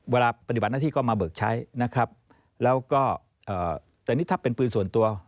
ปฏิบัติหน้าที่ก็มาเบิกใช้นะครับแล้วก็แต่นี่ถ้าเป็นปืนส่วนตัว